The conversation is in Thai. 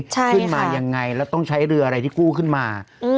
ขึ้นมายังไงแล้วต้องใช้เรืออะไรที่กู้ขึ้นมา